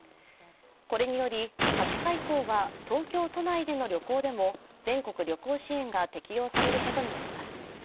これにより、２０日以降は東京都内での旅行でも全国旅行支援が適用されることになります。